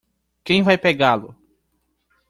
Quem vai pegá-lo?